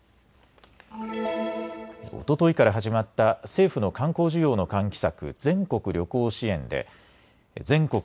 おとといから始まった政府の観光需要の喚起策、全国旅行支援で全国